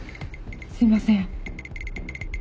すいません。